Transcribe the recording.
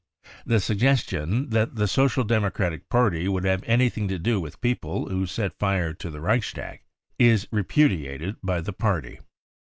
The suggestion that the Social Democratic Party » would have anything to do with people who set fire to the Reichstag is repudiated by the party."